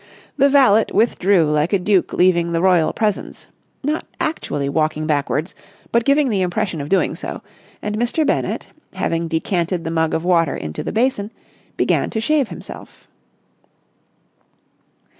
The valet withdrew like a duke leaving the Royal Presence, not actually walking backwards but giving the impression of doing so; and Mr. Bennett, having decanted the mug of water into the basin, began to shave himself.